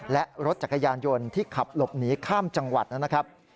และรถจักรยานยนต์ที่ขับหลบหนีข้ามจังหวัดนะครับ